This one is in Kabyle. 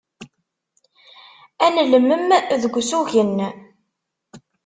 Ad nelmem deg usugen.